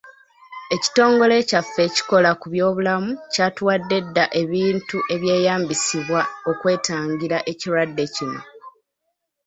Ekitongole kyaffe ekikola ku by'obulamu kyatuwadde dda ebintu ebyeyambisibwa okwetangira ekirwadde kino.